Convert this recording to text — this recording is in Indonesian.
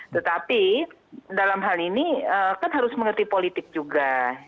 tetapi dalam hal ini kan harus mengerti politik juga